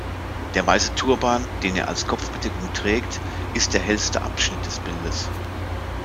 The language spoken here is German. Der weiße Turban, den er als Kopfbedeckung trägt, ist der hellste Abschnitt des Bildes.